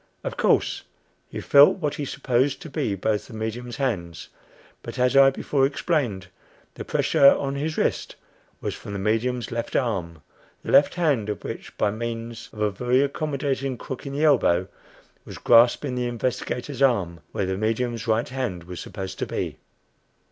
Of course, he felt what he supposed to be both the medium's hands; but as I before explained, the pressure on his wrist was from the medium's left arm the left hand of whom, by means of a very accommodating crook in the elbow, was grasping the investigator's arm where the medium's right hand was supposed to be.